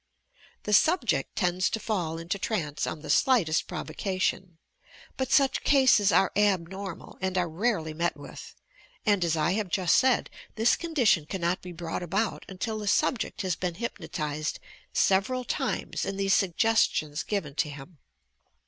The subject tends to fall into trance on the slightest provocation. But such cases are abnormal and are rarely met with, and, as I have just said, this condition cannot be brought about until the subject has been hypnotized several times and these suggestions given to him.